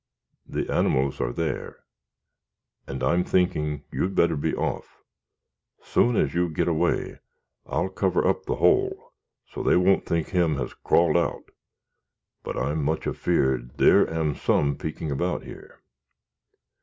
"The animals are there; and I'm thinking you'd better be off. Soon as you git away, I'll cover up the hole, so thee won't think him has crawled out; but I'm much afeared there am some peeking about here."